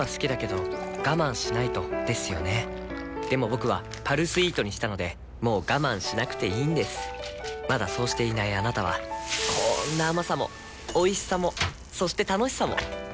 僕は「パルスイート」にしたのでもう我慢しなくていいんですまだそうしていないあなたはこんな甘さもおいしさもそして楽しさもあちっ。